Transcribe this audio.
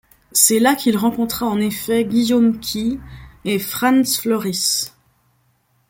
C'est là qu'il rencontra en effet Guillaume Key et Frans Floris.